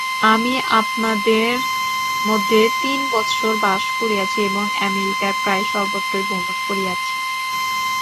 আমি আপনাদের মধ্যে তিন বৎসর বাস করিয়াছি এবং আমেরিকার প্রায় সর্বত্রই ভ্রমণ করিয়াছি।